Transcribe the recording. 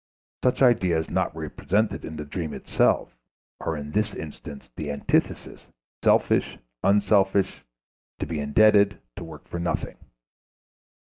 Such ideas not represented in the dream itself are in this instance the antitheses selfish, unselfish, to be indebted, to work for nothing.